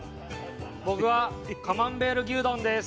僕はカマンベール牛丼です。